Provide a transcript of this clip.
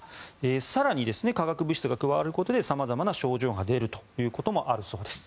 更に、化学物質が加わることで様々な症状が出ることもあるそうです。